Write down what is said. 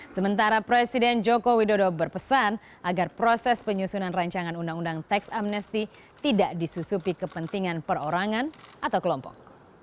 sementara presiden joko widodo berpesan agar proses penyusunan rancangan undang undang teks amnesti tidak disusupi kepentingan perorangan atau kelompok